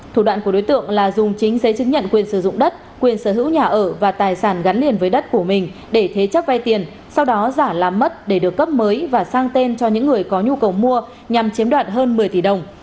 thủ đoạn của đối tượng là dùng chính giấy chứng nhận quyền sử dụng đất quyền sở hữu nhà ở và tài sản gắn liền với đất của mình để thế chấp vay tiền sau đó giả làm mất để được cấp mới và sang tên cho những người có nhu cầu mua nhằm chiếm đoạt hơn một mươi tỷ đồng